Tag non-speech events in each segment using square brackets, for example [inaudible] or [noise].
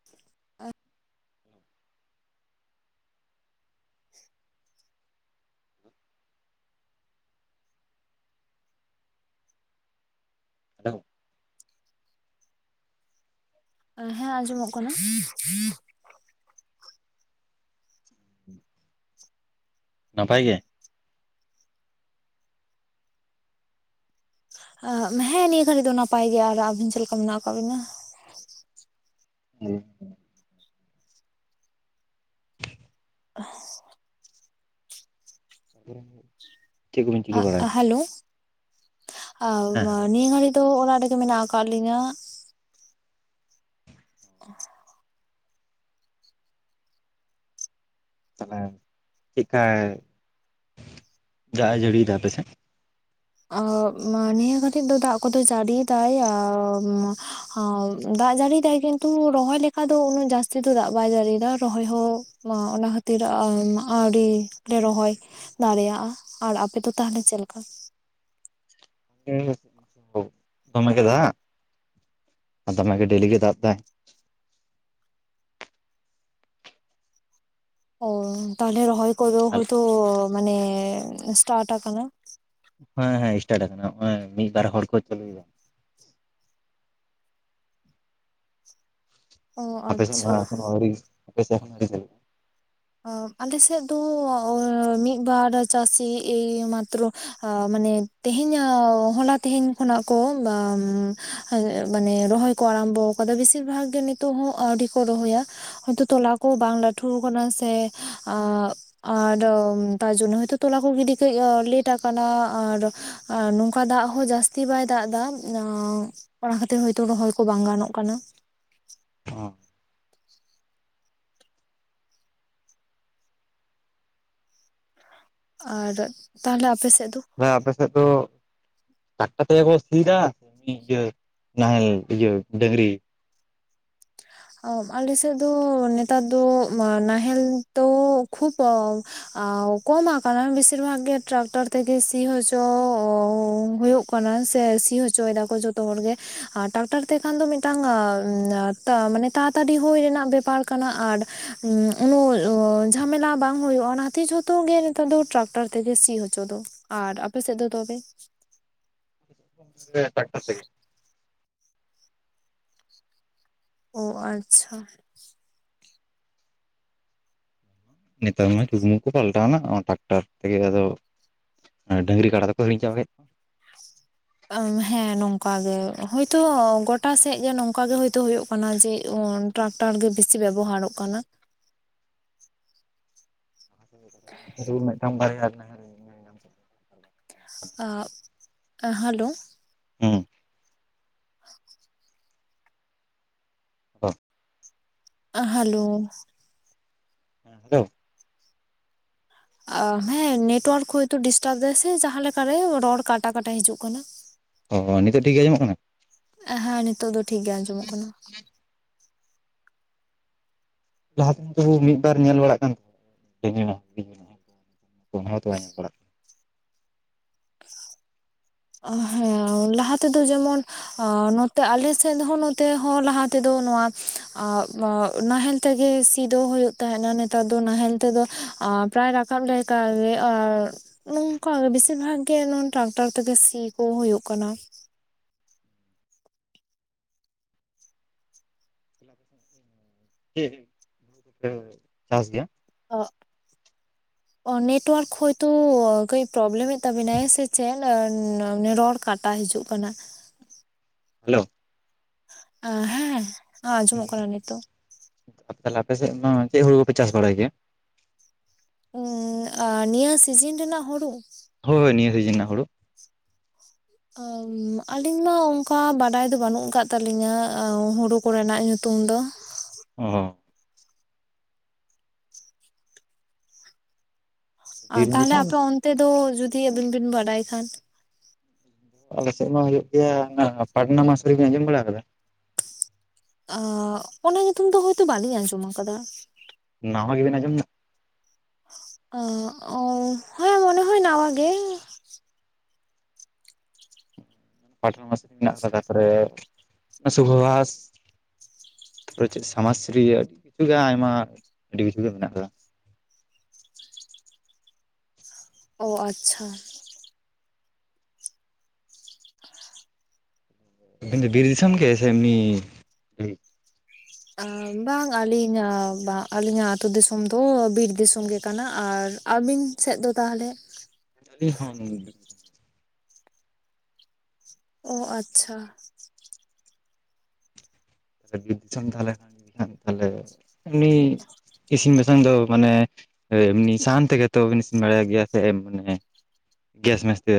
[unintelligible] [unintelligible] [unintelligible] ᱦᱮᱸ ᱟᱸᱡᱚᱢᱚᱜ ᱠᱟᱱᱟ ᱾ ᱱᱟᱯᱟᱭ ᱜᱮ? ᱦᱮᱸ ᱱᱤᱭᱟᱹ ᱜᱷᱟᱹᱲᱤ ᱫᱚ ᱱᱟᱯᱟᱭ ᱜᱮᱭᱟ ᱟᱨ ᱟᱵᱤᱱ ᱪᱮᱫ ᱞᱮᱠᱟ ᱢᱮᱱᱟᱜ ᱟᱠᱟᱫ ᱵᱤᱱᱟ? [unintelligible] [unintelligible] [unintelligible] ᱪᱮᱫ ᱠᱚᱵᱤᱱ ᱪᱤᱠᱟᱹ ᱵᱟᱲᱟᱭᱮᱫᱟ? ᱦᱮᱞᱳ ᱦᱮᱸ ᱦᱮᱞᱳ ᱱᱤᱭᱟᱹ ᱜᱷᱟᱹᱲᱤ ᱫᱚ ᱚᱲᱟ ᱨᱮᱜᱮ ᱢᱮᱱᱟᱜ ᱟᱠᱟᱫ ᱞᱤᱧᱟ ᱾ [unintelligible] ᱛᱟᱦᱚᱞᱮ ᱪᱤᱺ ᱠᱟᱭ ᱫᱟᱜᱼ ᱮ ᱡᱟᱹᱲᱤᱭᱮᱫᱟ ᱟᱯᱮᱥᱮᱫ? ᱚᱵ ᱱᱤᱭᱟᱹ ᱜᱷᱟᱲᱤ ᱫᱚ ᱫᱟᱜ ᱠᱚᱫᱚ ᱡᱟᱹᱲᱤᱭᱮ ᱫᱟᱭ ᱫᱟᱜ ᱡᱟᱹᱲᱤᱭᱮᱫᱟᱭ ᱠᱤᱱᱛᱩ ᱨᱚᱦᱚᱭ ᱞᱮᱠᱟ ᱫᱚ ᱩᱱᱟᱹᱜ ᱡᱟᱹᱥᱛᱤ ᱫᱚ ᱫᱟᱜ ᱵᱟᱭ ᱡᱟᱹᱲᱤᱭᱫᱟ ᱨᱚᱦᱚᱭ ᱦᱚᱸ ᱢᱟ ᱚᱱᱟ ᱠᱷᱟᱹᱛᱤᱨᱟᱜ ᱟᱣᱲᱨᱤ ᱞᱮ ᱨᱚᱦᱚᱭ ᱫᱟᱲᱮᱭᱟᱜᱼᱟ ᱾ ᱟᱨ ᱟᱯᱮ ᱫᱚ ᱛᱟᱦᱟᱞᱮ ᱪᱮᱞᱮᱠᱟ? ᱫᱚᱢᱮ ᱜᱮ ᱫᱟᱜ ᱫᱚᱢᱮᱜ ᱜᱮ ᱰᱮᱞᱤ ᱜᱮ ᱫᱟᱜ ᱫᱟᱭ ᱾ ᱚ ᱛᱟᱦᱚᱞᱮ ᱨᱚᱦᱚᱭ ᱠᱚᱫᱚ ᱦᱳᱭ ᱛᱚ ᱢᱟᱱᱮ ᱥᱮᱴᱟᱨᱴ ᱠᱟᱱᱟ ᱾ ᱦᱮᱸ ᱦᱮᱸ ᱤᱥᱴᱟᱴ ᱠᱟᱱᱟ ᱱᱚᱜ ᱚᱭ ᱢᱤᱫ ᱵᱟᱨ ᱦᱚᱲ ᱠᱚ ᱪᱟᱹᱞᱩᱭᱟ ᱾ ᱚ ᱟᱯᱮᱥᱮᱫ ᱫᱚ ᱟᱪᱪᱷᱟ ᱦᱟᱜ ᱮᱠᱷᱚᱱᱳ ᱟᱣᱨᱤ [inaudible] ᱟᱞᱮᱥᱮᱫ ᱫᱚ ᱢᱤᱫ ᱵᱟᱨ ᱪᱟᱹᱥᱤ ᱮᱭᱢᱟᱛᱨᱚ ᱢᱟᱱᱮ ᱛᱮᱦᱮᱧᱚᱜ ᱦᱚᱞᱟ ᱛᱮᱦᱮᱧ ᱠᱷᱚᱱᱟᱜ ᱠᱚ [inaudible] ᱢᱟᱱᱮ ᱨᱚᱦᱚᱭᱼᱼ ᱠᱚ ᱟᱨᱟᱢᱵᱚ ᱟᱠᱟᱫᱟ ᱵᱮᱥᱤᱨ ᱵᱷᱟᱜᱽ ᱜᱮ ᱱᱤᱛᱚᱜ ᱦᱚᱸ ᱟᱹᱣᱨᱤ ᱠᱚ ᱨᱚᱦᱚᱭᱟ ᱾ ᱦᱚᱳᱭᱛᱚ ᱛᱚᱞᱟ ᱠᱚ ᱵᱟᱝ ᱞᱟᱹᱴᱷᱩ ᱟᱠᱟᱱᱟ ᱥᱮᱼᱼ ᱟᱨ ᱛᱟᱨ ᱡᱚᱱᱱᱚ ᱦᱚᱭᱛᱳ ᱛᱚᱞᱟ ᱠᱚ ᱜᱤᱰᱤ ᱠᱟᱹᱡ ᱞᱮᱴ ᱟᱠᱟᱱᱟ ᱟᱨᱼᱼ ᱟᱨ ᱱᱚᱝᱠᱟ ᱫᱟᱜ ᱦᱚᱸ ᱡᱟᱹᱥᱛᱤ ᱵᱟᱭ ᱫᱟᱜ ᱮᱫᱟᱼᱼ ᱚᱱᱟ ᱠᱷᱟᱹᱛᱤᱨ ᱦᱳᱭᱛᱳ ᱨᱚᱦᱚᱭ ᱠᱚ ᱵᱟᱝ ᱜᱟᱱᱚᱜ ᱠᱟᱱᱟ᱾ ᱟᱨ ᱛᱟᱦᱚᱞᱮ ᱟᱯᱮ ᱥᱮᱜ ᱫᱚ? ᱫᱟ ᱟᱯᱮᱥᱮᱜ ᱫᱚ ᱴᱟᱠᱴᱟᱨ ᱛᱮᱜᱮ ᱠᱚ ᱥᱤᱭᱫᱟᱹ ᱠᱤ ᱤᱭᱟ ᱱᱟᱦᱮᱞ ᱤᱭᱟᱹ ᱰᱟᱹᱝᱨᱤ ᱟᱞᱮ ᱥᱮᱫ ᱫᱚ ᱱᱮᱛᱟᱨ ᱫᱚ ᱢᱟ ᱱᱟᱦᱮᱞ ᱫᱚ ᱠᱷᱩᱵ ᱟ ᱠᱚᱢ ᱟᱠᱟᱱᱟ ᱵᱤᱥᱤᱨ ᱵᱷᱟᱜᱽ ᱜᱮ ᱴᱨᱟᱠᱴᱚᱨ ᱛᱮᱜᱮ ᱥᱤ ᱦᱚᱪᱚᱻ ᱦᱩᱭᱩᱜ ᱠᱚᱱᱟ ᱥᱮ ᱥᱤ ᱦᱚᱪᱚᱭ ᱮᱫᱟ ᱠᱚ ᱡᱚᱛᱚ ᱦᱚᱲ ᱜᱮ, ᱟᱨ ᱴᱟᱠᱴᱟᱨ ᱛᱮᱠᱷᱟᱱ ᱫᱚ ᱢᱤᱴᱟᱝ ᱟᱢ ᱛᱟ ᱢᱟᱱᱮ ᱛᱟᱲᱟᱛᱟᱲᱤ ᱦᱩᱭ ᱨᱮᱱᱟᱜ ᱵᱮᱯᱟᱨ ᱠᱟᱱᱟ ᱟᱨ ᱩᱱᱟᱹᱜ ᱡᱷᱟᱢᱮᱞᱟ ᱵᱟᱝ ᱦᱩᱭᱩᱜ-ᱟ ᱚᱱᱟᱛᱮ ᱡᱚ ᱛᱚ ᱜᱮ ᱱᱮᱛᱟᱨ ᱫᱚ ᱴᱨᱟᱠᱴᱟᱨ ᱛᱮᱜᱮ ᱥᱤ ᱦᱚᱪᱚ ᱫᱚ᱾ ᱟᱨ ᱟᱯᱮᱥᱮᱫ ᱫᱚ ᱛᱚᱵᱮ? ᱦᱮ ᱴᱟᱠᱴᱟᱨ ᱛᱮ ᱜᱮ᱾ ᱚ ᱟᱪᱪᱷᱟ᱾ ᱱᱮᱛᱟᱨ ᱢᱟ ᱪᱩᱜᱢᱩ ᱠᱚ ᱯᱟᱞᱴᱟᱣᱮᱱᱟ, ᱚᱱᱟ ᱴᱟᱠᱴᱟᱨ ᱛᱮᱜᱮ ᱟᱫᱚ ᱟᱹ ᱰᱟᱝᱨᱤ ᱠᱟᱰᱟ ᱫᱚᱠᱚ ᱦᱤᱲᱧ ᱪᱟᱵᱟᱭᱮᱜ ᱟᱹᱡ ᱦᱮᱸ ᱱᱚᱝᱠᱟ ᱜᱮ ᱦᱳᱭᱛᱚ ᱜᱚᱴᱟ ᱥᱮᱜ ᱜᱮ ᱱᱚᱝᱠᱟᱜᱮ ᱦᱳᱭᱛᱳ ᱦᱳᱭᱳᱜ ᱠᱟᱱᱟ ᱡᱮ ᱴᱨᱟᱠᱴᱟᱨ ᱜᱮ ᱵᱮᱥᱤ ᱵᱮᱵᱚᱦᱟᱨᱚᱜ ᱠᱟᱱᱟ᱾ ᱟᱫᱩ ᱢᱤᱜᱴᱟᱝ ᱵᱟᱨᱭᱟᱜᱮ ᱢᱮᱱᱟᱜ ᱟᱻ ᱦᱮᱞᱳ᱾ ᱦᱩᱸ᱾ [unintelligible] ᱦᱚᱸ᱾ ᱟ ᱦᱟᱞᱳ᱾ ᱦᱮᱸ ᱦᱮᱞᱳ᱾ ᱦᱮᱸ ᱱᱮᱴᱣᱟᱨᱠ ᱦᱳᱭᱛᱳ ᱰᱤᱥᱴᱟᱵ ᱮᱫᱟ ᱥᱮ ᱡᱟᱦᱟᱸᱞᱮᱠᱟ ᱨᱮ ᱨᱚᱲ ᱠᱟᱴᱟ ᱠᱟᱴᱟ ᱦᱤᱡᱩᱜ ᱠᱟᱱᱟ᱾ ᱚ ᱚ ᱱᱤᱛᱚᱜ ᱴᱷᱤᱠ ᱜᱮ ᱟᱸᱡᱚᱢᱚᱜ ᱠᱟᱱᱟ? ᱟ ᱦᱟ ᱱᱤᱛᱚᱜ ᱫᱚ ᱴᱷᱤᱠ ᱜᱮ ᱟᱸᱡᱚᱢᱚᱜ ᱠᱟᱱᱟ᱾ ᱞᱟᱦᱟᱫ ᱫᱚ ᱢᱤᱫ ᱵᱟᱨ ᱧᱮᱞ ᱵᱟᱲᱟᱜ ᱠᱟᱱ ᱛᱮᱦᱮᱱᱟ ᱚᱱᱟ ᱦᱚᱛᱚ ᱵᱟᱭ ᱧᱮᱞ ᱵᱟᱲᱟᱜ ᱠᱟᱱᱟ᱾ ᱦᱮᱸ ᱞᱟᱦᱟ ᱛᱮᱫᱚ ᱡᱮᱢᱚᱱ ᱚ ᱱᱚᱛᱮ ᱟᱞᱮ ᱥᱮᱫ ᱦᱚᱸ ᱱᱚᱛᱮ ᱦᱚᱸ ᱞᱟᱦᱟ ᱛᱮᱫᱚ ᱱᱚᱣᱟ ᱱᱟᱦᱮᱞ ᱛᱮᱜᱮ ᱥᱤ ᱫᱚ ᱦᱳᱭᱳᱜ ᱛᱟᱦᱮᱸᱱᱟ ᱱᱮᱛᱟᱨ ᱫᱚ ᱱᱟᱦᱮᱞ ᱛᱮᱫᱚ ᱯᱨᱟᱭ ᱨᱟᱠᱟᱵ ᱞᱮᱠᱟ ᱜᱮ ᱟᱨ ᱱᱚᱝᱠᱟ ᱜᱮ ᱵᱮᱥᱤᱨ ᱵᱷᱟᱜ ᱜᱮ ᱱᱚᱱ ᱴᱨᱟᱠᱴᱟᱨ ᱛᱮᱜᱮ ᱥᱤ ᱠᱚ ᱦᱳᱭᱳᱜ ᱠᱟᱱᱟ᱾ [unintelligible] [inaudible] ᱪᱟᱥ ᱜᱮ ᱚᱜ [unintelligible] ᱚ ᱱᱮᱴ ᱳᱣᱟᱨᱠ ᱦᱚᱳᱭᱛᱚ ᱠᱟᱹᱡ ᱯᱨᱚᱵᱞᱮᱢᱮᱫ ᱛᱟᱵᱤᱱᱟᱭ ᱥᱮ ᱪᱮᱫ ᱨᱚᱲ ᱠᱟᱴ ᱴᱟ ᱦᱤᱡᱩᱜ ᱠᱟᱱᱟ᱾ ᱦᱮᱞᱳ᱾ ᱟ ᱦᱮᱸ ᱟᱸᱡᱚᱢᱚᱜ ᱠᱟᱱᱟ ᱱᱤᱛᱚᱜ᱾ ᱟ ᱛᱟᱦᱚᱞᱮ ᱟᱯᱮ ᱥᱮᱫ ᱫᱚ ᱪᱮᱜ ᱦᱩᱲᱩ ᱠᱚᱯᱮ ᱪᱟᱥ ᱵᱟᱲᱟᱭ ᱜᱮᱭᱟ? ᱩᱸ ᱟ ᱱᱤᱭᱟᱹ ᱥᱤᱡᱤᱱ ᱨᱮᱱᱟᱜ ᱦᱩᱲᱩ᱾ ᱦᱳᱭ ᱱᱤᱭᱟᱹ ᱥᱤᱡᱤᱱ ᱨᱮᱱᱟᱜ ᱦᱩᱲᱩ᱾ ᱟᱹᱡ ᱟᱹᱞᱤᱧᱢᱟ ᱚᱝᱠᱟ ᱵᱟᱰᱟᱭ ᱫᱚ ᱵᱟᱹᱱᱩᱜ ᱟᱠᱟᱜ ᱛᱟᱹᱞᱤᱧᱟ, ᱦᱩᱲᱩ ᱠᱚᱨᱮᱱᱟᱜ ᱧᱩᱛᱩᱢ ᱫᱚ᱾ ᱚ ᱦᱚᱸ᱾ ᱟᱨ ᱵᱤᱨ ᱛᱟᱦᱞᱮ ᱟᱯᱮ ᱫᱤᱥᱚᱢ ᱚᱱᱛᱮ ᱫᱚ ᱡᱩᱫᱤ ᱟᱵᱤᱱ ᱵᱤᱱ ᱵᱟᱰᱟᱭ ᱠᱷᱟᱱ᱾ ᱟᱞᱮᱥᱮᱫ ᱢᱟ ᱦᱩᱭᱩᱜ ᱜᱮᱭᱟ ᱦᱟᱱᱟ ᱯᱟᱴᱱᱟ ᱢᱟᱥ ᱨᱮᱵᱤᱱ ᱟᱸᱡᱚᱢ ᱵᱟᱲᱟᱣ ᱠᱟᱫᱟ? ᱟᱸ ᱚᱱᱟ ᱧᱩᱛᱩᱢ ᱫᱚ ᱦᱚᱳᱭᱛᱳ ᱵᱟᱞᱤᱧ ᱟᱸᱡᱚᱢ ᱠᱟᱫᱟ᱾ ᱱᱟᱣᱟ ᱜᱮ ᱵᱤᱱ ᱟᱸᱡᱚᱢ ᱫᱟ᱾ ᱟᱸ ᱚ ᱦᱮᱸ ᱢᱚᱱᱮ ᱦᱚᱭ ᱱᱟᱣᱟ ᱜᱮ᱾ [unintelligible] ᱢᱮᱱᱟᱜ ᱠᱟᱫᱟ ᱛᱟᱯᱚᱨᱮ ᱥᱩᱵᱚᱵᱷᱟᱥ᱾ ᱛᱟᱯᱚᱨᱮ ᱪᱮᱫ ᱥᱟᱢᱟᱥᱨᱤ ᱨᱮᱭᱟᱜ ᱟᱹᱰᱤ ᱠᱤᱪᱷᱩ ᱜᱮ ᱟᱭᱢᱟ ᱟᱹᱰᱤ ᱠᱤᱪᱷᱩ ᱜᱮ ᱢᱮᱱᱟᱜ ᱠᱟᱫᱟ᱾ ᱚ ᱟᱪᱪᱷᱟ᱾ ᱟᱵᱤᱱ ᱫᱚ ᱵᱤᱨ ᱫᱤᱥᱚᱢ ᱜᱮ ᱥᱮ ᱮᱢᱱᱤ ᱴᱟᱺᱰᱤ? ᱟᱸ ᱵᱟᱝ ᱟᱹᱞᱤᱧᱟᱜ ᱵᱟ ᱟᱹᱞᱤᱧᱟᱜ ᱟᱛᱳ ᱫᱤᱥᱚᱢ ᱫᱚ ᱵᱤᱨ ᱫᱤᱥᱚᱢ ᱜᱮ ᱠᱟᱱᱟ ᱟᱨ ᱟᱹᱵᱤᱱ ᱥᱮᱫ ᱫᱚ ᱛᱟᱦᱚᱞᱮ? [unintelligible] ᱚ ᱟᱪᱪᱷᱟ᱾ [unintelligible] ᱤᱥᱤᱱ ᱵᱟᱥᱟᱝ ᱫᱚ ᱢᱟᱱᱮ ᱮᱢᱱᱤ ᱥᱟᱦᱟᱱ ᱛᱮᱜᱮ ᱛᱚᱵ ᱤᱥᱤᱱ ᱵᱟᱲᱟᱭ ᱜᱮᱭᱟ ᱥᱮ ᱢᱟᱱᱮ ᱜᱮᱥ ᱢᱮᱥ ᱛᱮ᱾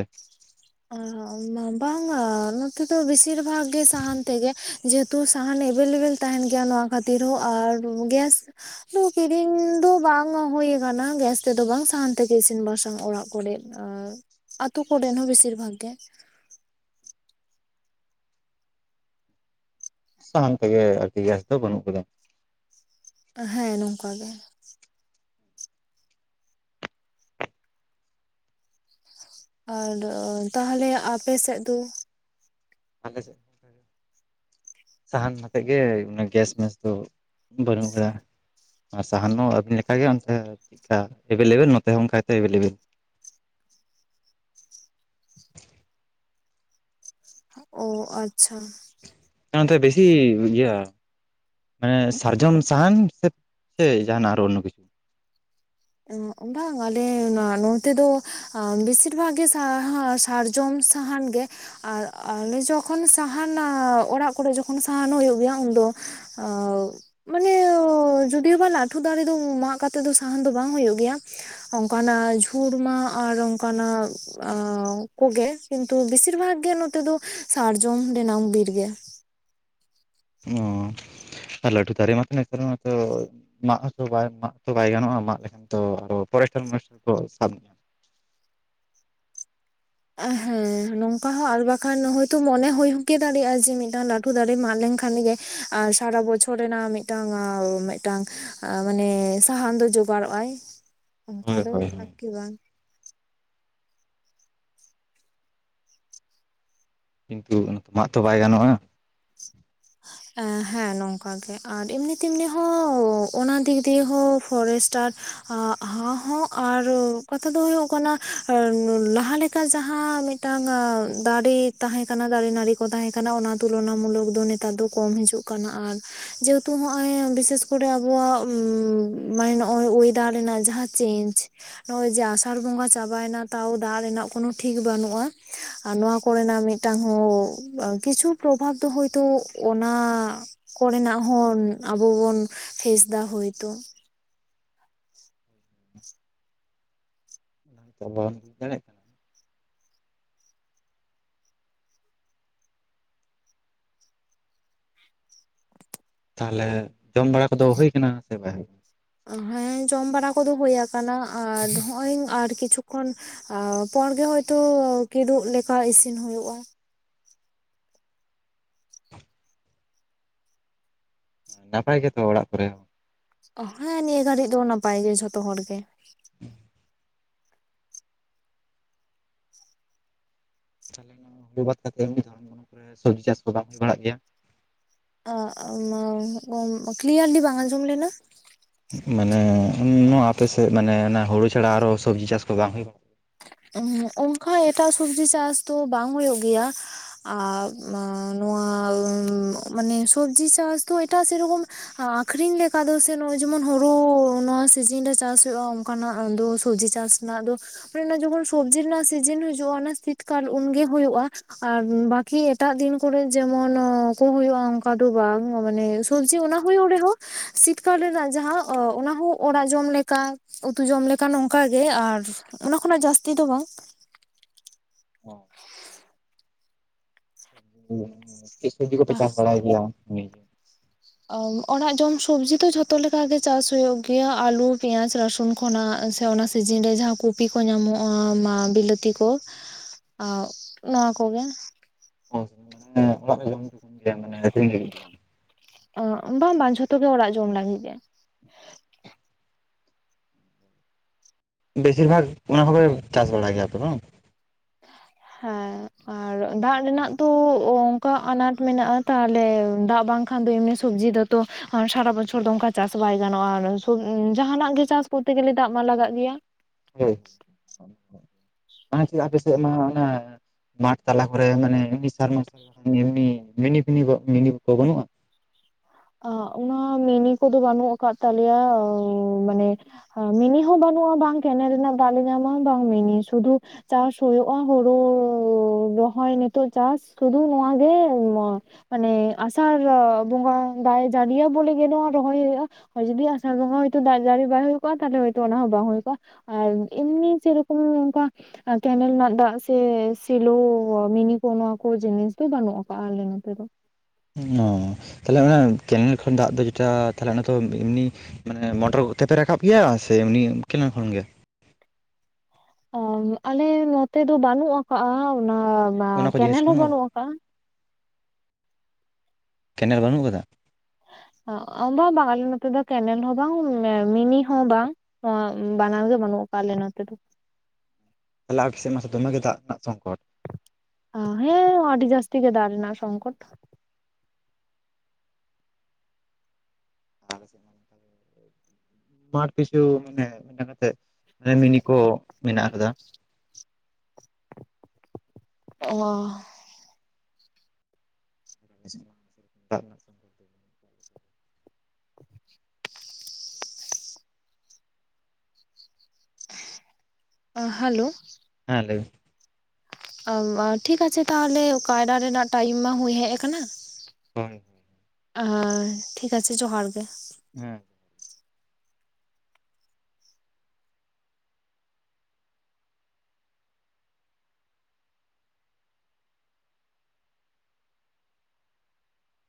ᱟᱸ ᱵᱟᱝᱟ ᱱᱚᱛᱮ ᱫᱚ ᱵᱮᱥᱤᱨ ᱵᱷᱟᱜᱽ ᱜᱮ ᱥᱟᱦᱟᱱ ᱛᱮᱜᱮ᱾ ᱡᱮᱦᱮᱛᱩ ᱥᱟᱦᱟᱱ ᱮᱵᱮᱞᱮᱵᱮᱞ ᱜᱮᱭᱟ ᱱᱚᱣᱟ ᱦᱚᱸ ᱟᱨ ᱜᱮᱥ [unintelligible] ᱠᱤᱨᱤᱧ ᱫᱚ ᱵᱟᱝ ᱦᱳᱭ ᱠᱟᱱᱟ ᱜᱮᱥ ᱛᱮᱫᱚ ᱵᱟᱝ ᱥᱟᱦᱟᱱ ᱛᱮᱜᱮ ᱤᱥᱤᱱ ᱵᱟᱥᱟᱝ ᱚᱲᱟᱜ ᱠᱚᱨᱮᱜ᱾ ᱟᱸ ᱟᱛᱳ ᱠᱚᱨᱮᱱ ᱦᱚᱸ ᱵᱮᱥᱤᱨ ᱵᱷᱟᱜᱽ ᱜᱮ᱾ ᱥᱟᱦᱟᱱ ᱛᱮᱜᱮ ᱟᱨᱠᱤ ᱜᱮᱥ ᱫᱚ ᱵᱟᱹᱱᱩᱜ ᱠᱟᱫᱟ᱾ ᱦᱮᱸ ᱱᱚᱝᱠᱟ ᱜᱮ᱾ ᱟᱨ ᱛᱟᱦᱞᱮ ᱟᱯᱮ ᱥᱮᱫ ᱫᱳ᱾ ᱟᱞᱮ ᱥᱮᱫ [unintelligible] ᱥᱟᱦᱟᱱ ᱟᱛᱮᱫ ᱜᱮ ᱚᱱᱟ ᱜᱮᱥ ᱢᱮᱥ ᱫᱚ ᱵᱟᱹᱱᱩᱜ ᱠᱟᱫᱟ᱾ ᱟᱨ ᱥᱟᱦᱟᱱ ᱦᱚᱸ ᱟᱵᱤᱱ ᱞᱮᱠᱟᱜᱮ ᱚᱱᱛᱮ ᱪᱮᱫᱠᱟ ᱮᱵᱮᱞᱮᱵᱮᱞ ᱱᱚᱛᱮ ᱦᱚᱸ ᱚᱱᱠᱟᱛᱮ ᱮᱵᱮᱞᱮᱵᱮᱞ᱾ ᱚ ᱟᱪᱪᱷᱟ᱾ ᱚᱱᱟ ᱛᱮᱵᱮᱥᱤ ᱤᱭᱟᱹ ᱢᱟᱱᱮ ᱥᱟᱨᱡᱚᱢ ᱥᱟᱦᱟᱱ ᱥᱮ ᱥᱮ ᱡᱟᱦᱱᱟᱜ ᱟᱨᱚ ᱚᱱᱱᱳ ᱠᱤᱪᱷᱩ᱾ ᱵᱟᱝ ᱟᱞᱮ ᱱᱚᱱᱛᱮ ᱫᱚ ᱟᱸᱵᱮᱥᱤᱨ ᱵᱷᱟᱜ ᱜᱮ ᱥᱟᱨᱡᱚᱢ ᱥᱟᱦᱟᱱ ᱜᱮ᱾ ᱟᱨ ᱟᱞᱮ ᱡᱚᱠᱷᱚᱱ ᱥᱟᱦᱟᱱ ᱚᱲᱟᱜ ᱠᱚᱨᱮ ᱡᱚᱠᱷᱚᱱ ᱥᱟᱦᱟᱱᱚᱜ ᱦᱳᱭᱳᱜ ᱜᱮᱭᱟ ᱩᱱᱫᱚ [unintelligible] ᱢᱟᱱᱮ ᱡᱩᱫᱤᱳ ᱵᱟ ᱞᱟᱹᱴᱷᱩ ᱫᱟᱨᱮ ᱫᱚ ᱢᱟᱜ ᱠᱟᱛᱮ ᱫᱚ ᱥᱟᱦᱟᱱ ᱫᱚ ᱵᱟᱝ ᱦᱳᱭᱳᱜ ᱜᱮᱭᱟ, ᱚᱝᱠᱟᱱᱟᱜ ᱡᱷᱩᱲ ᱢᱟ ᱟᱨ ᱚᱝᱠᱟᱱᱟᱜ ᱟᱻ ᱠᱚᱜᱮ ᱠᱤᱱᱛᱩ ᱵᱮᱥᱤᱨ ᱵᱷᱟᱜᱽ ᱜᱮ ᱱᱚᱛᱮ ᱫᱚ ᱥᱟᱨᱡᱚᱢ ᱨᱮᱱᱟᱝ ᱵᱤᱨ ᱜᱮ᱾ ᱚᱻ ᱟᱨ ᱞᱟᱴᱩ ᱛᱟᱨᱮ ᱢᱟ ᱛᱚ ᱱᱮᱛᱟᱨ ᱢᱟ ᱛᱚ ᱢᱟᱜ ᱦᱚᱸᱛᱚ ᱵᱟᱭ ᱢᱟᱜ ᱛᱚ ᱵᱟᱭ ᱜᱟᱱᱚᱜᱼᱟ ᱢᱟᱜ ᱞᱮᱠᱷᱟᱱ ᱛᱚ ᱟᱨᱚ ᱯᱚᱨᱮᱥᱴᱟᱨ ᱢᱚᱨᱮᱥᱴᱟᱨ ᱠᱚ ᱥᱟᱵ ᱟᱹᱱᱤᱡ ᱟ᱾ ᱟ ᱦᱮᱸ᱾ ᱱᱚᱝᱠᱟ ᱦᱚᱸ ᱟᱨ ᱵᱟᱠᱷᱟᱱ ᱦᱚᱳᱭᱛᱚ ᱢᱚᱱᱮ ᱦᱳᱭ ᱦᱚᱜᱮ ᱫᱟᱲᱮᱭᱟᱜᱼᱟ᱾ ᱡᱮ ᱢᱤᱫᱴᱟᱝ ᱞᱟᱹᱴᱩ ᱫᱟᱨᱮ ᱢᱟᱜ ᱞᱮᱱᱠᱷᱟᱱ ᱜᱮ ᱟᱨ ᱥᱟᱨᱟ ᱵᱚᱪᱷᱚᱨ ᱨᱮᱱᱟᱜ ᱢᱤᱫᱴᱟᱝ ᱟᱸ ᱢᱤᱫᱴᱟᱝ ᱢᱟᱱᱮ ᱥᱟᱦᱟᱱ ᱫᱚᱭ ᱡᱚᱜᱟᱲᱚᱜ ᱟᱭ ᱚᱝᱠᱟ ᱦᱳᱭ ᱫᱚ ᱦᱳᱭ ᱦᱳᱭ ᱟᱨᱠᱤ ᱵᱟᱝ᱾ ᱠᱤᱱᱛᱩ ᱚᱱᱟ ᱢᱟᱜ ᱛᱚ ᱵᱟᱭ ᱜᱟᱱᱚᱜᱼᱟ᱾ [inaudible] ᱮᱸ ᱦᱮᱸ ᱱᱚᱝᱠᱟᱱ ᱜᱮ ᱟᱨ ᱮᱢᱱᱤ ᱛᱮᱢᱱᱤ ᱦᱚᱸ ᱚᱱᱟ ᱫᱤᱠ ᱫᱤᱭᱮ ᱦᱚᱸ ᱯᱷᱚᱨᱮᱥᱴᱟᱨ ᱦᱟ ᱦᱚᱸ ᱟᱨ ᱠᱟᱛᱷᱟ ᱫᱚ ᱦᱩᱭᱩᱜ ᱠᱟᱱᱟ ᱞᱟᱦᱟ ᱞᱮᱠᱟ ᱡᱟᱦᱟᱸ ᱢᱤ ᱴᱟᱝ ᱫᱟᱨᱮ ᱛᱟᱦᱮᱸ ᱠᱟᱱᱟ ᱫᱟᱨᱮ ᱱᱟᱹᱲᱤ ᱠᱚ ᱛᱟᱦᱮᱸ ᱠᱟᱱᱟ ᱚᱱᱟ ᱛᱩᱞᱚᱱᱟᱢᱩᱞᱚᱠ ᱫᱚ ᱱᱤᱛ ᱱᱮᱛᱟᱨ ᱫᱚ ᱠᱚᱢ ᱦᱤᱡᱩᱜ ᱠᱟᱱᱟ ᱟᱨ ᱡᱮᱦᱮᱛᱩ ᱦᱚᱜ ᱚᱭ ᱵᱤᱥᱮᱥ ᱠᱚᱨᱮ ᱟᱵᱚᱣᱟᱜ ᱢᱟᱱᱮ ᱚᱣᱭ ᱩᱤᱫᱟᱨ ᱨᱮᱱᱟᱜ ᱡᱟᱦᱟ ᱪᱮᱧᱚᱡ ᱱᱚᱜ-ᱚᱭ ᱡᱮ ᱟᱥᱟᱲ ᱵᱚᱸᱜᱟ ᱪᱟᱵᱟᱭᱮᱱᱟ ᱛᱟᱣ ᱫᱟᱜ ᱨᱮᱱᱟᱜ ᱠᱳᱱᱳ ᱴᱷᱤᱠ ᱵᱟᱹᱱᱩᱜ-ᱟ᱾ ᱟᱨ ᱱᱚᱣᱟ ᱠᱚᱨᱮᱱᱟᱜ ᱢᱤᱫᱴᱟᱝ ᱦᱚᱸ ᱠᱤᱪᱷᱩ ᱯᱨᱚᱵᱷᱟᱵᱽ ᱫᱚ ᱦᱳᱭᱛᱳ ᱚᱱᱟ ᱠᱚᱨᱮᱱᱟᱜ ᱦᱚᱸ ᱟᱵᱚ ᱵᱚᱱ ᱯᱷᱹᱮᱥ ᱫᱟ ᱦᱳᱭᱛᱚ᱾ [unintelligible] ᱛᱟᱦᱚᱞᱮ ᱡᱚᱢ ᱵᱟᱲᱟ ᱠᱚᱫᱚ ᱦᱩᱭ ᱠᱟᱱᱟ ᱥᱮ ᱵᱟᱝ? ᱦᱮᱸ ᱡᱚᱢ ᱵᱟᱲᱟ ᱠᱚᱫᱚ ᱦᱩᱭ ᱟᱠᱟᱱᱟ ᱟᱨ ᱱᱚᱜ-ᱚᱭᱧ ᱟᱨ ᱠᱤᱪᱷᱩ ᱠᱷᱚᱱ ᱟᱨ ᱯᱚᱨ ᱜᱮ ᱦᱳᱭᱛᱚ ᱠᱤᱫᱩᱵ ᱞᱮᱠᱟ ᱤᱥᱤᱱ ᱦᱩᱭᱩᱜ-ᱟ᱾ ᱠᱟᱱᱟ ᱱᱟᱯᱟᱭ ᱜᱮᱛᱚ ᱚᱲᱟᱜ ᱠᱚᱨᱮ ᱦᱚ? ᱦᱮᱸ ᱱᱤᱭᱟᱹ ᱜᱷᱟᱹᱲᱤᱡ ᱫᱚ ᱱᱟᱯᱟᱭ ᱜᱮ ᱡᱷᱚᱛᱚ ᱦᱚᱲ ᱜᱮ᱾ ᱛᱟᱦᱚᱞᱮ ᱱᱭᱟ ᱦᱩᱲᱩ ᱵᱟᱫ ᱠᱟᱛᱮᱫ ᱦᱚ ᱫᱷᱚᱨᱚᱢ ᱜᱚᱨᱚᱢ ᱠᱚᱨᱮ ᱥᱚᱵᱡᱤ ᱪᱟᱥ ᱠᱚ ᱵᱟᱝ ᱦᱩᱭ ᱵᱟᱲᱟᱜ ᱜᱮᱭᱟ? ᱟ ᱚ ᱱᱭᱟ ᱜᱳᱢ ᱠᱞᱤᱭᱟᱨᱞᱤ ᱵᱟᱝ ᱟᱡᱚᱢ ᱞᱮᱱᱟ? ᱢᱟᱱᱮ ᱱᱚᱣᱟ ᱟᱯᱮᱥᱮᱫ ᱢᱟᱱᱮ ᱚᱱᱟ ᱦᱩᱲᱩ ᱪᱷᱟᱲᱟ ᱟᱨᱚ ᱥᱚᱵᱽᱡᱤ ᱪᱟᱥ ᱠᱚ ᱵᱟᱝ ᱦᱩᱭᱩᱜ-ᱟ᱾ ᱚᱱᱠᱟ ᱮᱴᱟᱜ ᱥᱚᱵᱡᱤ ᱪᱟᱥ ᱫᱚ ᱵᱟᱝ ᱦᱩᱭᱩᱜ ᱜᱮᱭᱟ᱾ ᱟᱨ ᱢᱟ ᱱᱚᱣᱟ-ᱟ ᱢᱟᱱᱮ ᱥᱚᱵᱡᱤ ᱪᱟᱥ ᱫᱚ ᱮᱴᱟᱜ ᱥᱮ ᱨᱚᱠᱚᱢ ᱟᱠᱷᱨᱤᱧ ᱞᱮᱠᱟ ᱫᱚ ᱥᱮ ᱱᱚᱜᱚᱭ ᱡᱮᱢᱚᱱ ᱦᱳᱲᱩ ᱱᱚᱣᱟ ᱥᱤᱡᱤᱱ ᱨᱮ ᱪᱟᱥ ᱦᱩᱭᱩᱜ-ᱟ ᱚᱱᱠᱟᱱᱟᱜ ᱫᱚ ᱥᱚᱵᱡᱤ ᱪᱟᱥ ᱚᱱᱟᱫᱚ ᱚᱱᱮ ᱚᱱᱟ ᱡᱚᱠᱷᱚᱱ ᱥᱚᱵᱽᱡᱤ ᱨᱮᱱᱟᱜ ᱥᱤᱡᱤᱱ ᱦᱩᱜ-ᱟ ᱚᱱᱟ ᱥᱤᱛᱠᱟᱞ ᱩᱱᱜᱮ ᱦᱩᱭᱩᱜ-ᱟ᱾ ᱟᱨ ᱵᱟᱠᱤ ᱮᱴᱟᱜ ᱫᱤᱱ ᱠᱚᱨᱮ ᱡᱮᱢᱚᱱ ᱠᱚ ᱦᱩᱭᱩᱜ-ᱟ ᱚᱱᱠᱟ ᱫᱚ ᱵᱟᱝ ᱢᱟᱱᱮ ᱥᱚᱵᱡᱤ ᱚᱱᱟ ᱦᱩᱭ ᱨᱮᱦᱚᱸ ᱥᱤᱛᱠᱟᱞ ᱨᱮᱱᱟᱜ ᱡᱟᱦᱟᱸ ᱚᱱᱟᱦ ᱚᱲᱟᱜ ᱡᱚᱢ ᱞᱮᱠᱟ ᱩᱛᱩ ᱡᱚᱢ ᱞᱮᱠᱟᱱ ᱚᱱᱠᱟᱜᱮ ᱟᱨ ᱚᱱᱟ ᱠᱷᱚᱱᱟᱜ ᱡᱟᱹᱥᱛᱤ ᱫᱚ ᱵᱟᱝ, ᱚ ᱚ ᱪᱟᱥ ᱥᱚᱵᱡᱤᱰ ᱠᱚᱯᱮ ᱪᱟᱥ ᱵᱟᱲᱟᱭ ᱜᱮᱭᱟ? ᱚ ᱚᱲᱟᱜ ᱡᱚᱢ ᱥᱚᱵᱡᱤ ᱫᱚ ᱡᱷᱚᱛᱚ ᱞᱮᱠᱟ ᱜᱮ ᱪᱟᱥ ᱦᱩᱭᱩᱜ ᱜᱮᱭᱟ᱾ ᱟᱞᱩ, ᱯᱮᱸᱭᱟᱡ, ᱨᱟᱹᱥᱩᱱ, ᱠᱷᱚᱱᱟᱜ ᱥᱮ ᱚᱱᱟ ᱥᱤᱡᱤᱱ ᱨᱮ ᱡᱟᱦᱟᱸ ᱠᱚᱯᱤ ᱠᱚ ᱧᱟᱢᱚᱜ-ᱟ ᱵᱤᱞᱟᱹᱛᱤ ᱠᱚ ᱟᱩ ᱱᱚᱣᱟ ᱠᱚᱜᱮ [unintelligible] ᱚ ᱵᱟᱝ ᱵᱟᱝ ᱡᱷᱚᱛᱚ ᱜᱮ ᱚᱲᱟᱜ ᱡᱚᱢ ᱞᱟᱹᱜᱤᱫ ᱜᱮ ᱵᱮᱥᱤᱨ ᱵᱷᱟᱜ ᱚᱱᱟ ᱠᱚᱯᱮ ᱪᱟᱥ ᱵᱟᱲᱟᱭ ᱜᱮᱭᱟᱯᱮ ᱵᱟᱝ? ᱦᱮᱸ ᱟᱨ ᱫᱟᱜ ᱨᱮᱱᱟᱜ ᱛᱚ ᱚᱱᱠᱟ ᱟᱱᱟᱴ ᱢᱮᱱᱟᱜᱼᱟ ᱛᱟᱦᱚᱞᱮ ᱫᱟᱜ ᱵᱟᱝ ᱠᱷᱟᱱ ᱮᱢᱱᱤ ᱥᱚᱵᱡᱤ ᱫᱚᱛᱚ ᱥᱟᱨᱟ ᱵᱚᱪᱷᱚᱨ ᱫᱚ ᱚᱱᱠᱟ ᱪᱟᱥ ᱵᱟᱭ ᱜᱟᱱᱚᱜ-ᱟ ᱡᱟᱦᱟᱱᱟᱜ ᱜᱮ ᱪᱟᱥ ᱠᱚᱨᱛᱮ ᱜᱮᱞᱮ ᱫᱟᱜ ᱢᱟ ᱞᱟᱜᱟᱜ ᱜᱮᱭᱟ᱾ ᱦᱳᱭ ᱢᱪᱮᱫ ᱟᱯᱮ ᱥᱮᱫ ᱢᱟ ᱚᱱᱟ [unintelligible] ᱟ ᱚᱱᱟ ᱢᱤᱱᱤ ᱠᱚᱫᱚ ᱵᱟᱹᱱᱩᱜ ᱟᱠᱟᱫ ᱛᱟᱞᱮᱭᱟ ᱢᱟᱱᱮ ᱢᱤᱱᱤ ᱦᱚᱸ ᱵᱟᱹᱱᱩᱜ-ᱟ ᱵᱟᱝ ᱜᱮ ᱚᱱᱟ ᱨᱮᱱᱟᱜ ᱫᱟᱜ ᱞᱮ ᱧᱟᱢᱟ ᱵᱟᱝ ᱢᱤᱱᱤ ᱥᱩᱫᱷᱩ ᱪᱟᱥ ᱦᱳᱭᱳᱜ-ᱟ ᱦᱩᱲᱩ ᱨᱚᱦᱚᱭ ᱱᱤᱛᱳ ᱪᱟᱥ ᱥᱩᱫᱩ ᱱᱚᱣᱟ ᱜᱮ ᱢᱟᱱᱮ ᱟᱥᱟᱲ ᱵᱚᱸᱜᱟ ᱫᱟᱭ ᱡᱟᱲᱤᱭᱟ ᱵᱚᱞ ᱜᱮ ᱱᱚᱣᱟ ᱨᱚᱦᱚᱭ ᱦᱩᱭᱩᱜ-ᱟ᱾ ᱟᱨ ᱡᱩᱫᱤ ᱟᱥᱟᱲ ᱵᱚᱸᱜᱟ ᱦᱚᱭᱛᱳ ᱫᱟᱜ ᱡᱟᱹᱲᱤᱟᱭ ᱦᱩᱭ ᱠᱚᱜ-ᱟ ᱛᱟᱦᱚᱞᱮ ᱦᱚᱭᱛᱳ ᱚᱱᱟ ᱦᱚᱸ ᱵᱟᱝ ᱦᱩᱭ ᱠᱚᱜ-ᱟ ᱟᱨ ᱮᱢᱱᱤ ᱥᱮᱨᱚᱠᱚᱢ ᱚᱱᱠᱟ ᱠᱮᱱᱮᱞ ᱨᱮᱱᱟᱜ ᱫᱟᱜ ᱥᱮ ᱥᱮᱞᱚ ᱢᱤᱱᱤ ᱠᱚ ᱱᱭᱟᱠᱚ ᱡᱤᱱᱤᱥ ᱫᱚ ᱟᱠᱟᱜ ᱟᱞᱮ ᱱᱚᱛᱮ ᱫᱚ ᱾ ᱱ-ᱚ ᱛᱟᱦᱚᱞᱮ ᱚᱱᱟ ᱠᱮᱱᱮᱞ ᱠᱷᱚᱱ ᱫᱟᱜ ᱫᱚ ᱡᱮᱴᱟ ᱛᱟᱦᱚᱞᱮ ᱚᱱᱟ ᱫᱚ ᱮᱢᱱᱤ ᱢᱟᱱᱮ ᱢᱚᱴᱚᱨ ᱠᱚᱛᱮᱯᱮ ᱨᱟᱠᱟᱵ ᱜᱮᱭᱟ ᱥᱮ ᱮᱢᱱᱤ ᱩᱱ ᱠᱤ ᱠᱷᱚᱱ ᱜᱮ ᱟ ᱟᱞᱮ ᱱᱚᱛᱮ ᱫᱚ ᱵᱟᱹᱱᱩᱜ ᱟᱠᱟᱜ-ᱟ ᱚᱱᱟᱵ ᱚᱱᱟ ᱠᱚ ᱡᱤᱱᱤᱥ ᱵᱟᱹᱱᱩᱜ-ᱟ ᱠᱮᱱᱮᱞ ᱵᱟᱱᱩᱜ ᱠᱟᱫᱟ? ᱵᱟᱝ ᱵᱟᱝ ᱟᱞᱮ ᱱᱚᱛᱮ ᱫᱚ ᱠᱮᱱᱮᱞ ᱦᱚᱸ ᱵᱟᱝ ᱢᱤᱱᱤ ᱦᱚᱸ ᱵᱟᱝ ᱟ ᱵᱟᱱᱟᱨ ᱜᱮ ᱵᱟᱹᱱᱩᱜ ᱠᱟᱜ ᱟᱞᱮ ᱱᱚᱛᱮ ᱫᱚ᱾ ᱛᱦᱟᱞᱮ [unintelligible] ᱥᱮᱜ ᱢᱟᱥᱮ ᱫᱚᱢᱮᱜᱮ ᱫᱟᱜ ᱨᱮᱱᱟᱜ ᱥᱚᱝᱠᱚᱴ᱾ ᱦᱮᱸ ᱟᱹᱰᱤ ᱡᱟᱹᱥᱛᱤ ᱜᱮ ᱫᱟᱜ ᱨᱮᱱᱟᱜ ᱥᱚᱝᱠᱚᱴ᱾ ᱟᱞᱮ‌ ᱥᱮᱫ [inaudible] ᱢᱟᱴ ᱠᱤᱪᱷᱩ ᱢᱟᱱᱮ ᱚᱱᱟ ᱠᱟᱛᱮ ᱢᱤᱱᱤ ᱠᱚ ᱢᱮᱱᱟᱜ ᱠᱟᱫᱟ᱾ ᱚ᱾ [unintelligible] ᱥᱮᱛᱟᱜ ᱵᱮᱲᱟ ᱟ ᱦᱟᱞᱳ᱾ ᱦᱮᱸ ᱞᱟᱹᱭ ᱵᱤᱱ᱾ ᱟ ᱴᱷᱤᱠ ᱟᱪᱷᱮ ᱛᱟᱦᱚᱞᱮ ᱠᱟᱭᱨᱟ ᱨᱮᱱᱟᱜ ᱴᱟᱭᱤᱢ ᱢᱟ ᱦᱩᱭ ᱦᱮᱡ ᱠᱟᱱᱟ᱾ ᱦᱳᱭ ᱦᱳᱭ᱾ ᱟ ᱴᱷᱤᱠ ᱟᱪᱷᱮ ᱡᱚᱦᱟᱨ ᱜᱮ᱾ ᱦᱮᱸ᱾